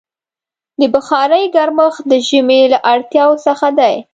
د بخارۍ ګرمښت د ژمي له اړتیاوو څخه دی.